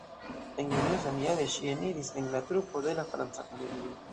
En junio samjare, ŝi eniris en la trupo de la Franca Komedio.